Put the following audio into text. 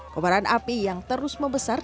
kobaran api yang terus membesar